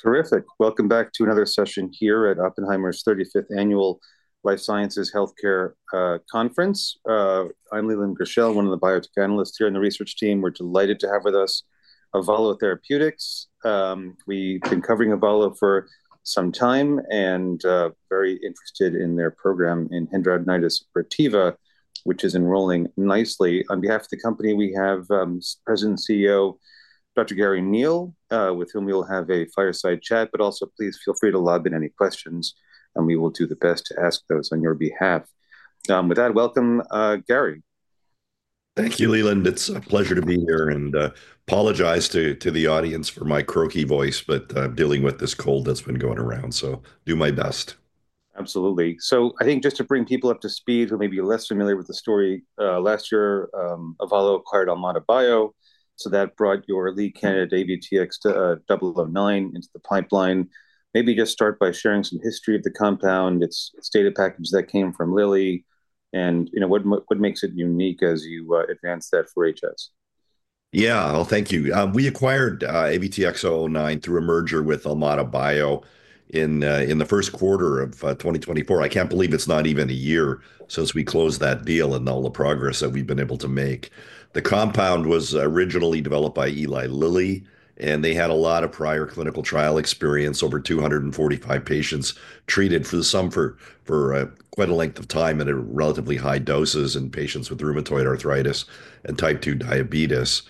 Terrific. Welcome back to another session here at Oppenheimer's 35th Annual Life Sciences Healthcare Conference. I'm Leland Gershell, one of the biotech analysts here on the research team. We're delighted to have with us Avalo Therapeutics. We've been covering Avalo for some time and very interested in their program in hidradenitis suppurativa, which is enrolling nicely. On behalf of the company, we have President and CEO Dr. Garry Neil, with whom we will have a fireside chat, but also please feel free to lob in any questions, and we will do the best to ask those on your behalf. With that, welcome, Garry. Thank you, Leland. It's a pleasure to be here, and I apologize to the audience for my croaky voice, but I'm dealing with this cold that's been going around, so I'll do my best. Absolutely. I think just to bring people up to speed, who may be less familiar with the story, last year, Avalo acquired AlmataBio, so that brought your lead candidate, AVTX-009, into the pipeline. Maybe just start by sharing some history of the compound, its data package that came from Lilly, and what makes it unique as you advance that for HS. Yeah, thank you. We acquired AVTX-009 through a merger with AlmataBio in the first quarter of 2024. I can't believe it's not even a year since we closed that deal and all the progress that we've been able to make. The compound was originally developed by Eli Lilly, and they had a lot of prior clinical trial experience, over 245 patients treated, some for quite a length of time at relatively high doses in patients with rheumatoid arthritis and type 2 diabetes.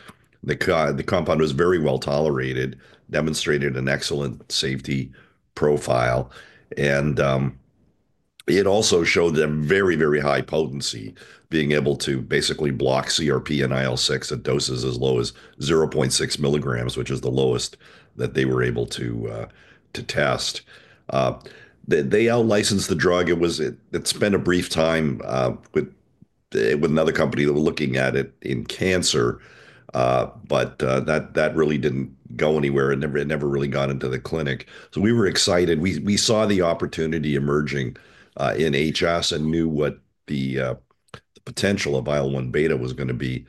The compound was very well tolerated, demonstrated an excellent safety profile, and it also showed them very, very high potency, being able to basically block CRP and IL-6 at doses as low as 0.6 milligrams, which is the lowest that they were able to test. They outlicensed the drug. It spent a brief time with another company that were looking at it in cancer, but that really didn't go anywhere. It never really got into the clinic. We were excited. We saw the opportunity emerging in HS and knew what the potential of IL-1β was going to be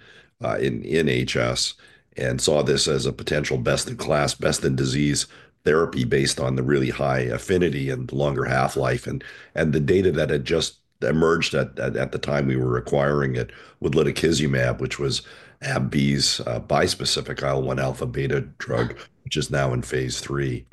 in HS and saw this as a potential best-in-class, best-in-disease therapy based on the really high affinity and longer half-life. The data that had just emerged at the time we were acquiring it would lead to lutikizumab, which was AbbVie's bispecific IL-1α/β drug, which is now in phase three.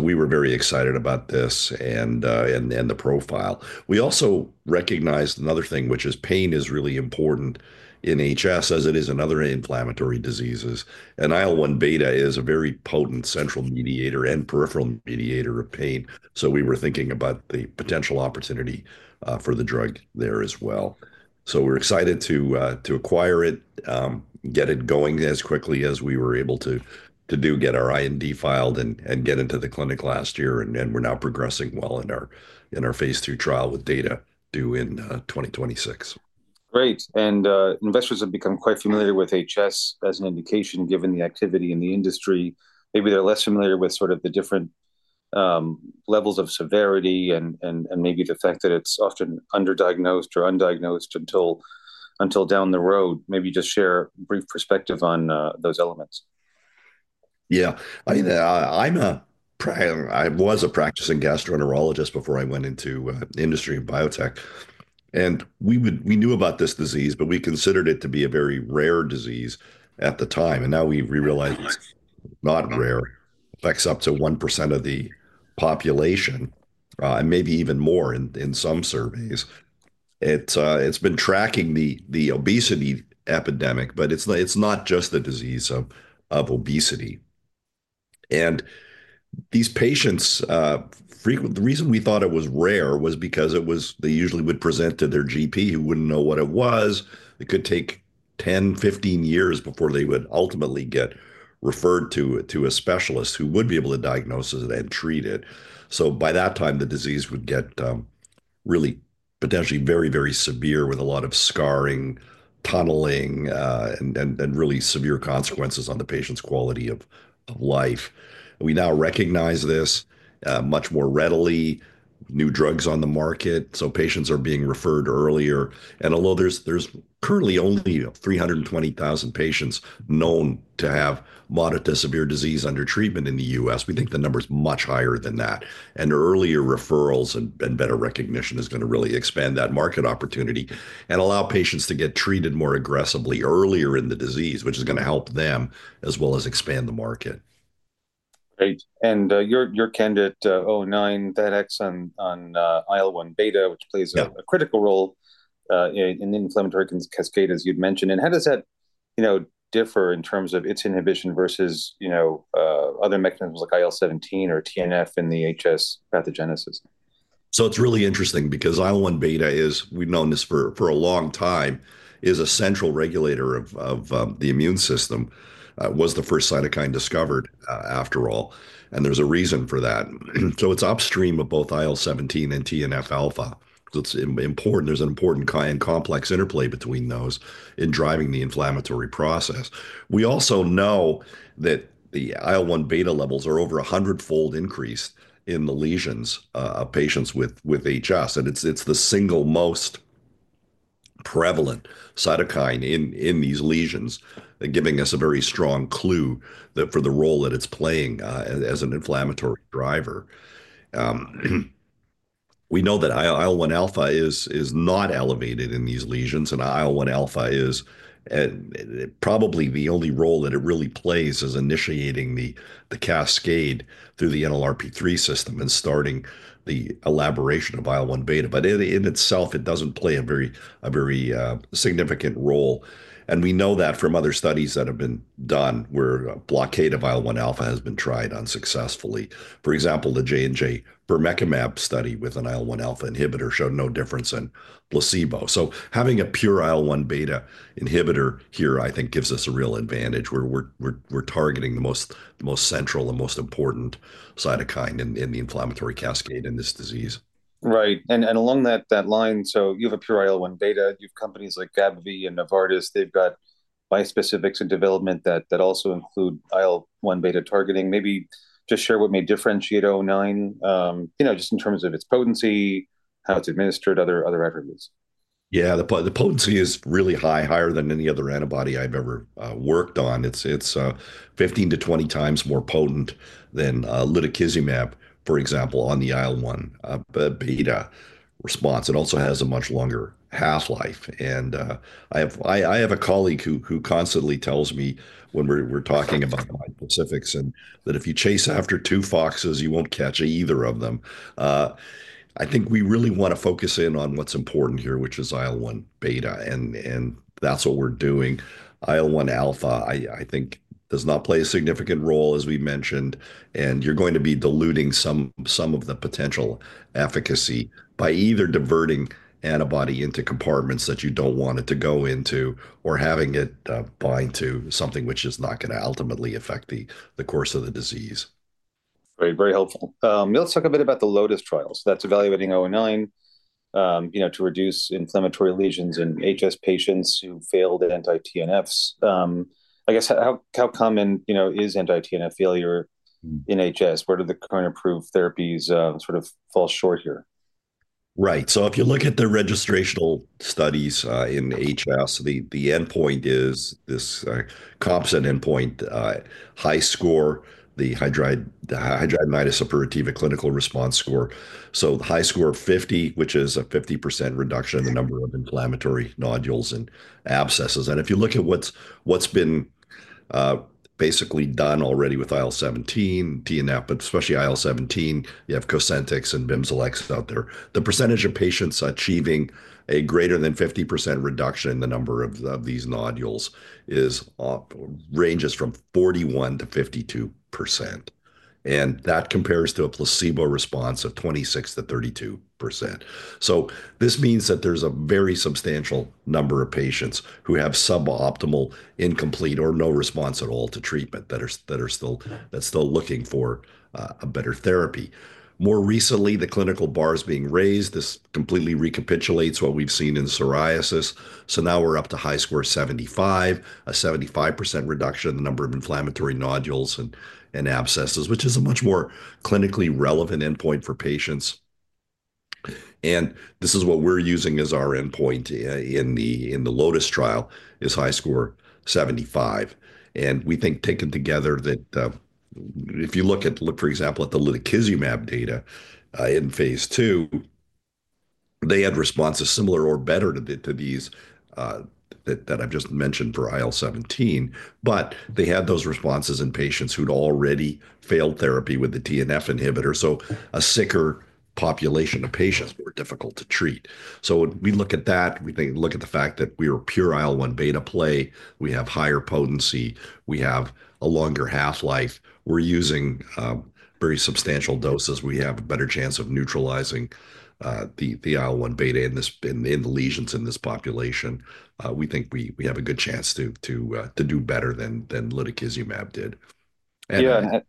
We were very excited about this and the profile. We also recognized another thing, which is pain is really important in HS, as it is in other inflammatory diseases. IL-1β is a very potent central mediator and peripheral mediator of pain. We were thinking about the potential opportunity for the drug there as well. We're excited to acquire it, get it going as quickly as we were able to do, get our IND filed, and get into the clinic last year. We're now progressing well in our phase two trial with data due in 2026. Great. Investors have become quite familiar with HS as an indication given the activity in the industry. Maybe they're less familiar with the different levels of severity and maybe the fact that it's often underdiagnosed or undiagnosed until down the road. Maybe just share a brief perspective on those elements. Yeah. I was a practicing gastroenterologist before I went into the industry of biotech. We knew about this disease, but we considered it to be a very rare disease at the time. Now we realize it's not rare. It affects up to 1% of the population and maybe even more in some surveys. It's been tracking the obesity epidemic, but it's not just the disease of obesity. These patients, the reason we thought it was rare was because they usually would present to their GP, who would not know what it was. It could take 10, 15 years before they would ultimately get referred to a specialist who would be able to diagnose it and treat it. By that time, the disease would get really potentially very, very severe with a lot of scarring, tunneling, and really severe consequences on the patient's quality of life. We now recognize this much more readily. New drugs are on the market, so patients are being referred earlier. Although there's currently only 320,000 patients known to have moderate to severe disease under treatment in the U.S., we think the number is much higher than that. Earlier referrals and better recognition are going to really expand that market opportunity and allow patients to get treated more aggressively earlier in the disease, which is going to help them as well as expand the market. Great. Your candidate, 009, that excellent IL-1β, which plays a critical role in the inflammatory cascade, as you'd mentioned. How does that differ in terms of its inhibition versus other mechanisms like IL-17 or TNF in the HS pathogenesis? It's really interesting because IL-1 beta is, we've known this for a long time, is a central regulator of the immune system. It was the first cytokine discovered, after all, and there's a reason for that. It's upstream of both IL-17 and TNF alpha. It's important. There's an important and complex interplay between those in driving the inflammatory process. We also know that the IL-1 beta levels are over a hundredfold increase in the lesions of patients with HS. It's the single most prevalent cytokine in these lesions, giving us a very strong clue for the role that it's playing as an inflammatory driver. We know that IL-1 alpha is not elevated in these lesions, and IL-1 alpha is probably the only role that it really plays is initiating the cascade through the NLRP3 system and starting the elaboration of IL-1 beta. In itself, it doesn't play a very significant role. We know that from other studies that have been done where a blockade of IL-1 alpha has been tried unsuccessfully. For example, the Johnson & Johnson bermekimab study with an IL-1 alpha inhibitor showed no difference in placebo. Having a pure IL-1 beta inhibitor here, I think, gives us a real advantage where we're targeting the most central, the most important cytokine in the inflammatory cascade in this disease. Right. Along that line, you have a pure IL-1β. You have companies like AbbVie and Novartis. They've got bispecifics in development that also include IL-1β targeting. Maybe just share what may differentiate 009 just in terms of its potency, how it's administered, other attributes. Yeah, the potency is really high, higher than any other antibody I've ever worked on. It's 15-20 times more potent than lutikizumab, for example, on the IL-1β response. It also has a much longer half-life. I have a colleague who constantly tells me when we're talking about bispecifics that if you chase after two foxes, you won't catch either of them. I think we really want to focus in on what's important here, which is IL-1β, and that's what we're doing. IL-1α, I think, does not play a significant role, as we mentioned, and you're going to be diluting some of the potential efficacy by either diverting antibody into compartments that you don't want it to go into or having it bind to something which is not going to ultimately affect the course of the disease. Very helpful. Let's talk a bit about the LOTUS trials. That's evaluating 009 to reduce inflammatory lesions in HS patients who failed anti-TNFs. I guess, how common is anti-TNF failure in HS? Where do the current approved therapies fall short here? Right. If you look at the registrational studies in HS, the endpoint is this composite endpoint, HiSCR, the hidradenitis suppurativa clinical response score. HiSCR 50, which is a 50% reduction in the number of inflammatory nodules and abscesses. If you look at what's been basically done already with IL-17, TNF, but especially IL-17, you have Cosentyx and Bimzelx out there. The percentage of patients achieving a greater than 50% reduction in the number of these nodules ranges from 41-52%. That compares to a placebo response of 26-32%. This means that there's a very substantial number of patients who have suboptimal, incomplete, or no response at all to treatment that are still looking for a better therapy. More recently, the clinical bar is being raised. This completely recapitulates what we've seen in psoriasis. Now we're up to HiSCR 75, a 75% reduction in the number of inflammatory nodules and abscesses, which is a much more clinically relevant endpoint for patients. This is what we're using as our endpoint in the LOTUS trial, is HiSCR 75. We think taken together that if you look at, for example, the lutikizumab data in phase two, they had responses similar or better to these that I've just mentioned for IL-17, but they had those responses in patients who'd already failed therapy with the TNF inhibitor. A sicker population of patients were difficult to treat. We look at that. We look at the fact that we are pure IL-1β play. We have higher potency. We have a longer half-life. We're using very substantial doses. We have a better chance of neutralizing the IL-1β in the lesions in this population. We think we have a good chance to do better than lutikizumab did. Yeah.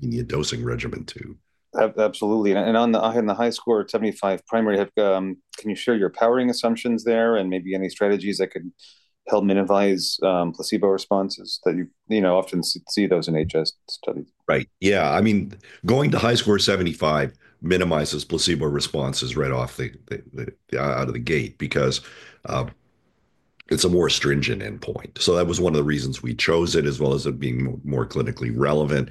In the dosing regimen too. Absolutely. On the HiSCR 75 primary, can you share your powering assumptions there and maybe any strategies that could help minimize placebo responses that you often see in those HS studies? Right. Yeah. Going to HiSCR 75 minimizes placebo responses right off out of the gate because it's a more stringent endpoint. That was one of the reasons we chose it as well as it being more clinically relevant.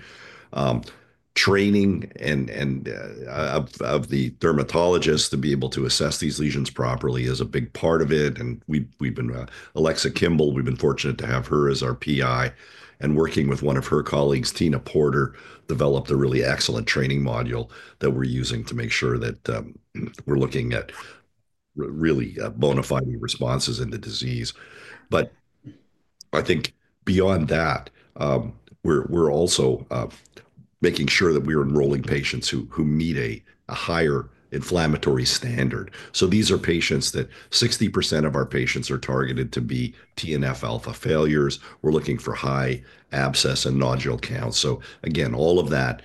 Training of the dermatologists to be able to assess these lesions properly is a big part of it. Alexa Kimball, we've been fortunate to have her as our PI, and working with one of her colleagues, Tina Porter, developed a really excellent training module that we're using to make sure that we're looking at really bona fide responses in the disease. I think beyond that, we're also making sure that we are enrolling patients who meet a higher inflammatory standard. These are patients that 60% of our patients are targeted to be TNFα failures. We're looking for high abscess and nodule counts. Again, all of that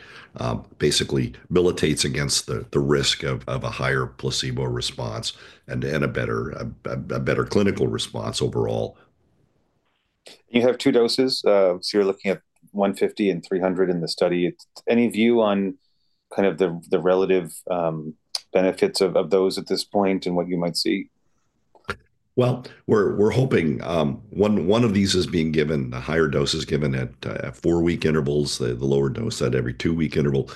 basically milites against the risk of a higher placebo response and a better clinical response overall. You have two doses. You are looking at 150 and 300 in the study. Any view on kind of the relative benefits of those at this point and what you might see? We're hoping one of these is being given, the higher dose is given at four-week intervals, the lower dose at every two-week interval.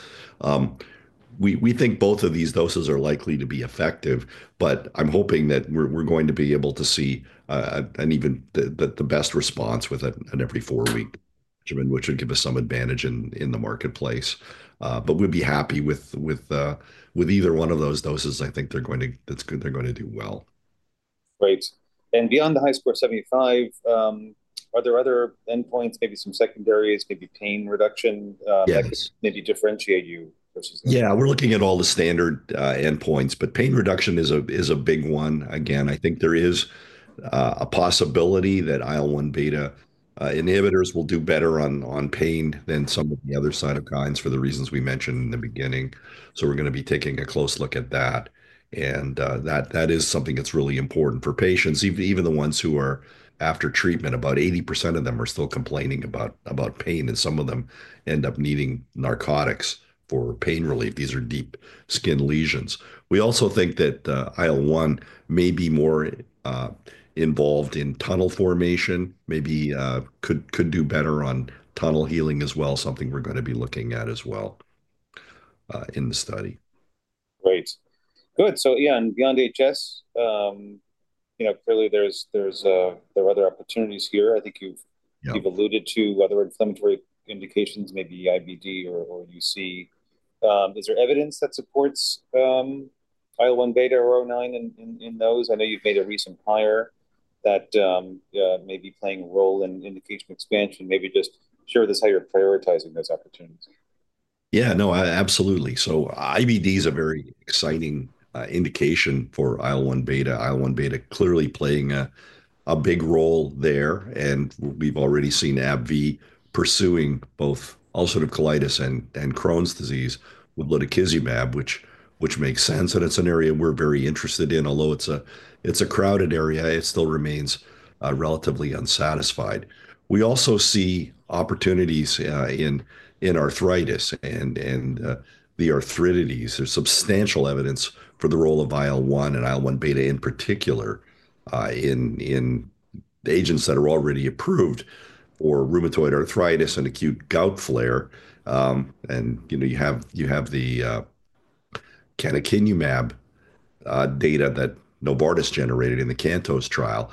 We think both of these doses are likely to be effective, but I'm hoping that we're going to be able to see the best response with an every four-week regimen, which would give us some advantage in the marketplace. We'd be happy with either one of those doses. I think they're going to do well. Great. Beyond the HiSCR 75, are there other endpoints, maybe some secondaries, maybe pain reduction that could maybe differentiate you? Yeah, we're looking at all the standard endpoints, but pain reduction is a big one. Again, I think there is a possibility that IL-1β inhibitors will do better on pain than some of the other cytokines for the reasons we mentioned in the beginning. We are going to be taking a close look at that. That is something that's really important for patients, even the ones who are after treatment. About 80% of them are still complaining about pain, and some of them end up needing narcotics for pain relief. These are deep skin lesions. We also think that IL-1 may be more involved in tunnel formation, maybe could do better on tunnel healing as well, something we're going to be looking at as well in the study. Great. Good. Yeah, and beyond HS, clearly there are other opportunities here. I think you've alluded to other inflammatory indications, maybe IBD or UC. Is there evidence that supports IL-1β or 009 in those? I know you've made a recent prior that may be playing a role in indication expansion. Maybe just share with us how you're prioritizing those opportunities. Yeah, no, absolutely. IBD is a very exciting indication for IL-1β. IL-1β clearly playing a big role there. We've already seen AbbVie pursuing both ulcerative colitis and Crohn's disease with lutikizumab, which makes sense that it's an area we're very interested in. Although it's a crowded area, it still remains relatively unsatisfied. We also see opportunities in arthritis and the arthritides. There's substantial evidence for the role of IL-1 and IL-1β in particular in agents that are already approved for rheumatoid arthritis and acute gout flare. You have the canakinumab data that Novartis generated in the CANTOS trial,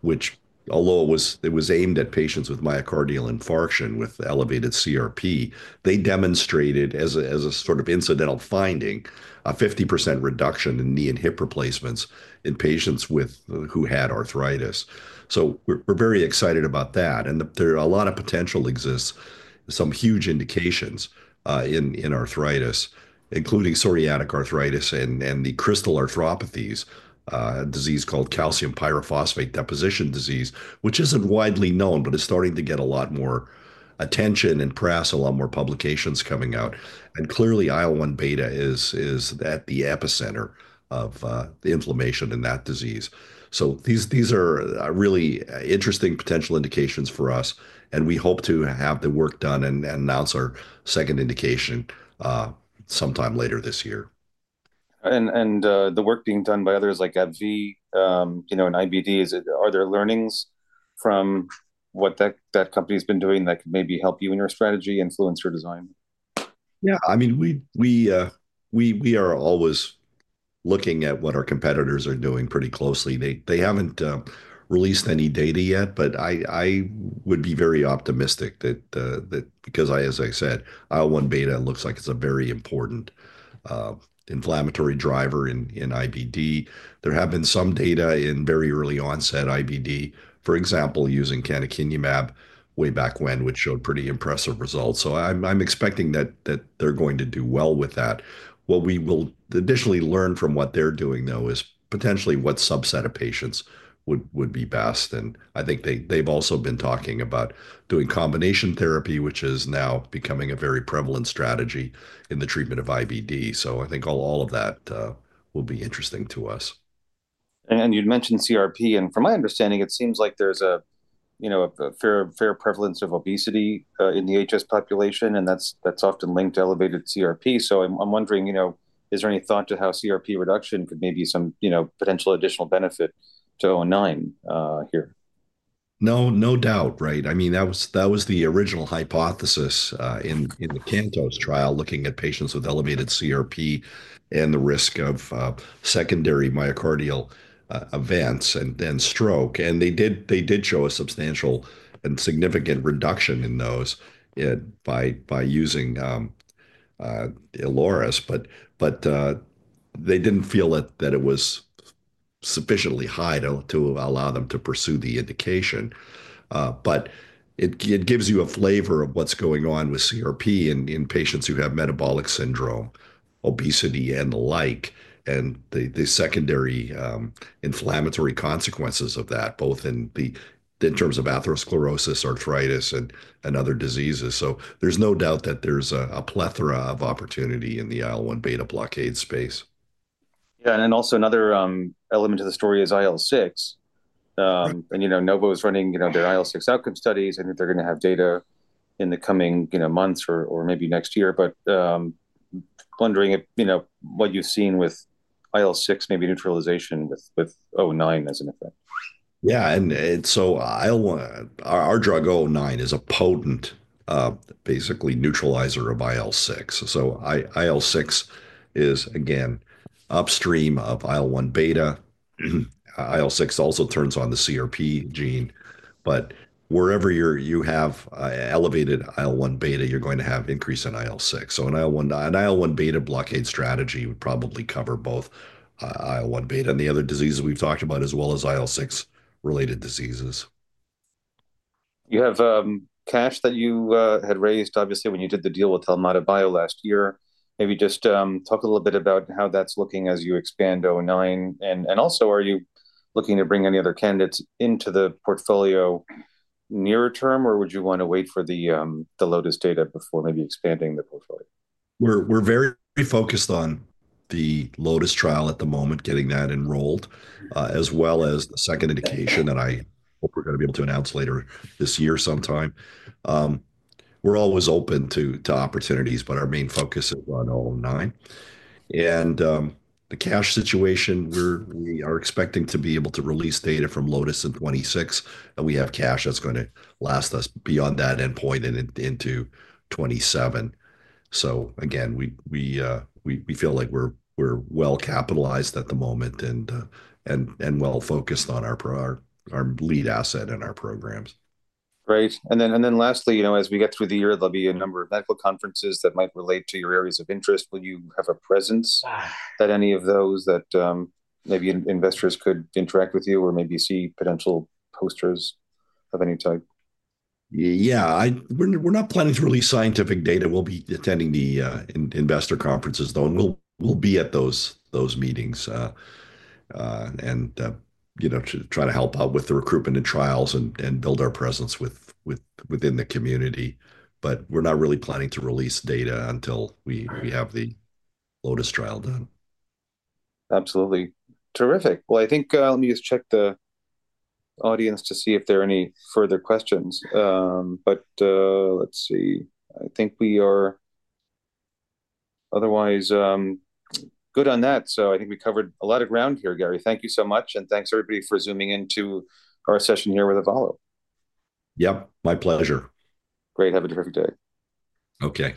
which, although it was aimed at patients with myocardial infarction with elevated CRP, they demonstrated as a incidental finding, a 50% reduction in knee and hip replacements in patients who had arthritis. We're very excited about that. There are a lot of potential exists, some huge indications in arthritis, including psoriatic arthritis and the crystal arthropathies, a disease called calcium pyrophosphate deposition disease, which is not widely known, but it is starting to get a lot more attention and press, a lot more publications coming out. Clearly, IL-1β is at the epicenter of the inflammation in that disease. These are really interesting potential indications for us, and we hope to have the work done and announce our second indication sometime later this year. The work being done by others like AbbVie and IBD, are there learnings from what that company has been doing that could maybe help you in your strategy and fluency or design? We are always looking at what our competitors are doing pretty closely. They haven't released any data yet, but I would be very optimistic that because, as I said, IL-1β looks like it's a very important inflammatory driver in IBD. There have been some data in very early onset IBD, for example, using canakinumab way back when, which showed pretty impressive results. I am expecting that they're going to do well with that. What we will additionally learn from what they're doing, though, is potentially what subset of patients would be best. I think they've also been talking about doing combination therapy, which is now becoming a very prevalent strategy in the treatment of IBD. I think all of that will be interesting to us. You'd mentioned CRP, and from my understanding, it seems like there's a fair prevalence of obesity in the HS population, and that's often linked to elevated CRP. I'm wondering, is there any thought to how CRP reduction could maybe be some potential additional benefit to 009 here? No doubt, right? That was the original hypothesis in the CANTOS trial, looking at patients with elevated CRP and the risk of secondary myocardial events and stroke. They did show a substantial and significant reduction in those by using canakinumab, but they didn't feel that it was sufficiently high to allow them to pursue the indication. It gives you a flavor of what's going on with CRP in patients who have metabolic syndrome, obesity, and the like, and the secondary inflammatory consequences of that, both in terms of atherosclerosis, arthritis, and other diseases. There's no doubt that there's a plethora of opportunity in the IL-1β blockade space. Yeah. Also, another element to the story is IL-6. Novo is running their IL-6 outcome studies. I think they're going to have data in the coming months or maybe next year, but wondering what you've seen with IL-6, maybe neutralization with 009 as an effect. Yeah. Our drug, 009, is a potent, basically neutralizer of IL-6. IL-6 is, again, upstream of IL-1β. IL-6 also turns on the CRP gene, but wherever you have elevated IL-1β, you're going to have an increase in IL-6. An IL-1β blockade strategy would probably cover both IL-1β and the other diseases we've talked about, as well as IL-6 related diseases. You have cash that you had raised, obviously, when you did the deal with AlmataBio last year. Maybe just talk a little bit about how that's looking as you expand 009. Also, are you looking to bring any other candidates into the portfolio nearer term, or would you want to wait for the LOTUS data before maybe expanding the portfolio? We're very focused on the LOTUS trial at the moment, getting that enrolled, as well as the second indication that I hope we're going to be able to announce later this year sometime. We're always open to opportunities, but our main focus is on 009. The cash situation, we are expecting to be able to release data from LOTUS in 2026, and we have cash that's going to last us beyond that endpoint and into 2027. Again, we feel like we're well capitalized at the moment and well focused on our lead asset and our programs. Great. Lastly, as we get through the year, there'll be a number of medical conferences that might relate to your areas of interest. Will you have a presence at any of those that maybe investors could interact with you or maybe see potential posters of any type? Yeah. We're not planning to release scientific data. We'll be attending the investor conferences, though, and we'll be at those meetings and try to help out with the recruitment and trials and build our presence within the community. We're not really planning to release data until we have the LOTUS trial done. Absolutely. Terrific. I think let me just check the audience to see if there are any further questions. Let's see. I think we are otherwise good on that. I think we covered a lot of ground here, Garry. Thank you so much, and thanks everybody for zooming into our session here with Avalo. Yep. My pleasure. Great. Have a terrific day. Okay.